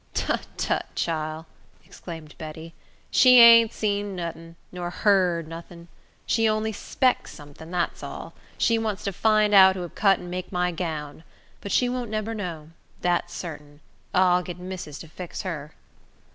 "Tut! tut! chile!" exclaimed Betty, "she ain't seen notin', nor hearn notin'. She only 'spects something. Dat's all. She wants to fine out who hab cut and make my gownd. But she won't nebber know. Dat's sartin. I'll git missis to fix her."